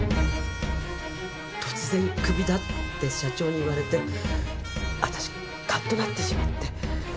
突然クビだって社長に言われて私カッとなってしまって。